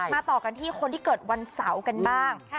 ต่อกันที่คนที่เกิดวันเสาร์กันบ้าง